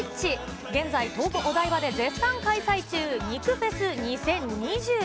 現在、東京・お台場で絶賛開催中、肉フェス２０２２。